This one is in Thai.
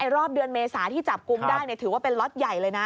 รอบเดือนเมษาที่จับกลุ่มได้ถือว่าเป็นล็อตใหญ่เลยนะ